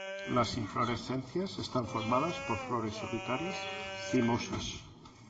Las inflorescencias están formadas por flores solitarias, cimosas.